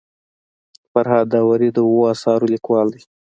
فرهاد داوري د اوو اثارو لیکوال دی.